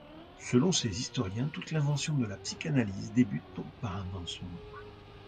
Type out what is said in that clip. Selon ces historiens, toute l'invention de la psychanalyse débute donc par un mensonge.